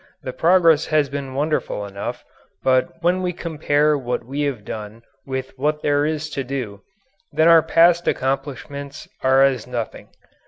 The progress has been wonderful enough but when we compare what we have done with what there is to do, then our past accomplishments are as nothing.